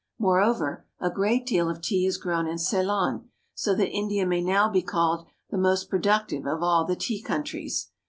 Moreover, a great deal of tea is grown in Ceylon, so that India may now be called the most productive of all the tea countries.